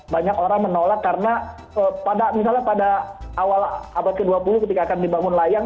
banyak orang menolak karena misalnya pada awal abad ke dua puluh ketika akan dibangun layang